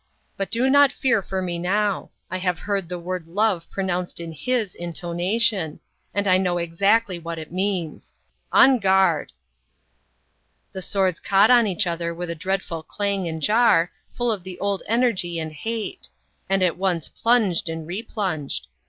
But do not fear for me now. I have heard the word Love pronounced in his intonation; and I know exactly what it means. On guard!'" The swords caught on each other with a dreadful clang and jar, full of the old energy and hate; and at once plunged and replunged.